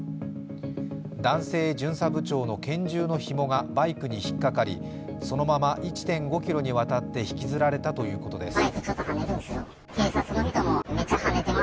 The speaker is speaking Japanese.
男性巡査部長の拳銃のひもがバイクにひっかかり、そのまま１．５ｋｍにわたって引きずられたということです。